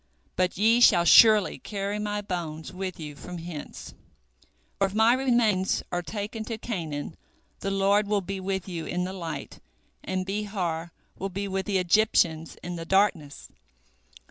But ye shall surely carry my bones with you from hence, for if my remains are taken to Canaan, the Lord will be with you in the light, and Behar will be with the Egyptians in the darkness.